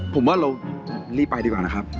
ผมว่าเรารีบไปดีกว่านะครับ